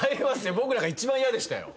僕なんか一番嫌でしたよ。